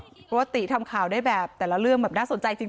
เพราะว่าติทำข่าวได้แบบแต่ละเรื่องแบบน่าสนใจจริง